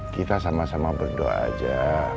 kita sama sama berdoa aja